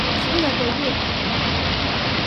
Ttbineɣ-d εyiɣ?